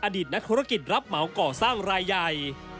อดีตนักธุรกิจรับเหมาก่อสร้างรายใหญ่